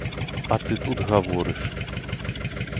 А ты тут гаворыш!